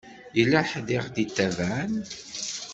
Yella ḥedd i ɣ-d-itabaɛen.